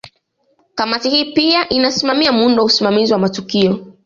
Kamati hii pia inasimamia muundo wa usimamizi wa matukio